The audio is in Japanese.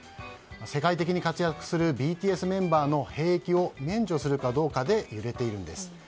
世界的に活躍するＢＴＳメンバーの兵役を免除するかどうかで揺れています。